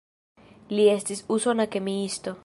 Li estis usona kemiisto.